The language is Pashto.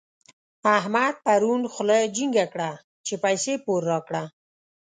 احمد پرون خوله چينګه کړه چې پيسې پور راکړه.